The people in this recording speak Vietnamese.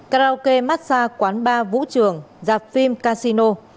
karaoke massage quán bar vũ trường dạp phim casino